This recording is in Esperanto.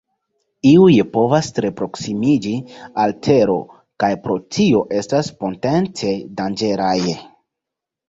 Iuj povas tre proksimiĝi al Tero, kaj pro tio estas potence danĝeraj.